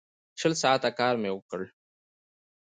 شل ساعته کار مې وکړ.